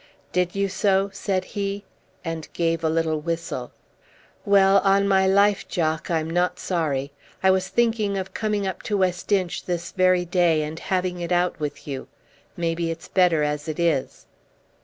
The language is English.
"Did you so?" said he, and gave a little whistle. "Well, on my life, Jock, I'm not sorry. I was thinking of coming up to West Inch this very day, and having it out with you. Maybe it's better as it is."